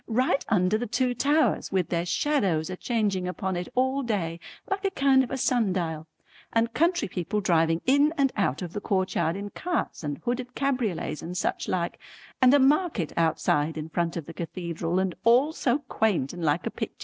Right under the two towers, with their shadows a changing upon it all day like a kind of a sundial, and country people driving in and out of the courtyard in carts and hooded cabriolets and such like, and a market outside in front of the cathedral, and all so quaint and like a picter.